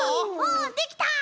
おできた！